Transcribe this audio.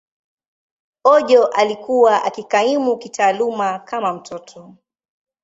Ojo alikuwa akikaimu kitaaluma kama mtoto.